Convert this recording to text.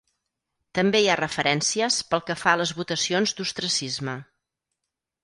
També hi ha referències pel que fa a les votacions d'ostracisme.